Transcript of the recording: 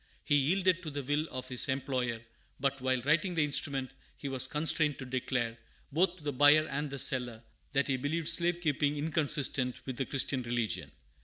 He yielded to the will of his employer, but, while writing the instrument, he was constrained to declare, both to the buyer and the seller, that he believed slave keeping inconsistent with the Christian religion.